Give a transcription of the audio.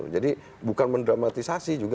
jadi bukan mendramatisasi juga